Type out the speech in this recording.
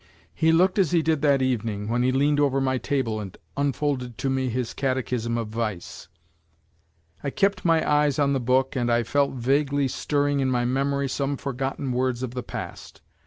He looked as he did that evening, when he leaned over my table and unfolded to me his catechism of vice. I kept my eyes on the book and I felt vaguely stirring in my memory some forgotten words of the past.